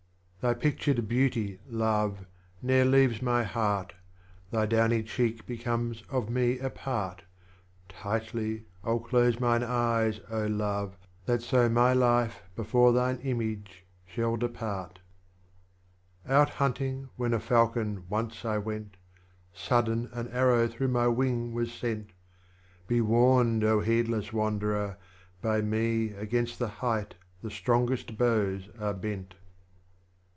Thy pictured Beauty, Love, ne'er leaves my Heart, Thy dowuy cheek becomes of me a part, Tightly I'll close mine eyes, Love, that so My Life, before thine Image, shall depart. 5. Out bunting, when a Falcon, once I went ; Sudden an Arrow through my wing was sent. Be warned, heedless Wanderer ! by me. Against the Height the strongest Bows are bent.